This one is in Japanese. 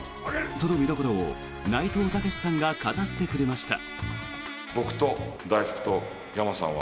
その見どころを、内藤剛志さんが語ってくれました。